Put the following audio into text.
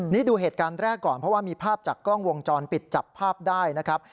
นี่ดูเหตุการณ์แรกก่อนเพราะว่ามีภาพจากกล้องวงจรปิดจับภาพได้นะครับ